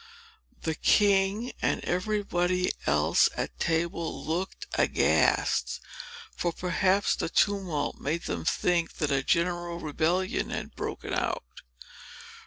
The king, and everybody else at table, looked aghast; for perhaps the tumult made them think that a general rebellion had broken out.